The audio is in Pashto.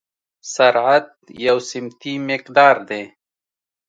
سرعت یو سمتي مقدار دی.